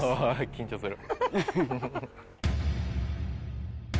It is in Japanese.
緊張する。